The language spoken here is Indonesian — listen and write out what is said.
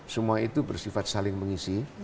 semua itu bersifat saling mengisi